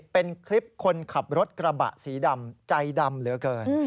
เป็นคลิปคนขับรถกระบะสีดำใจดำเหลือเกิน